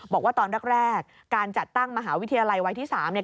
บอกว่าตอนแรกการจัดตั้งมหาวิทยาลัยวัยที่๓เนี่ย